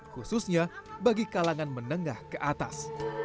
khususnya bagi kalangan menengah ke atas